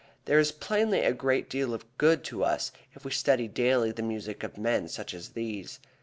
There is plainly a great deal of good to us if we study daily the music of men such as these.